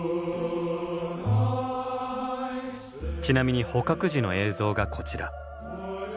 ちなみに捕獲時の映像がこちら。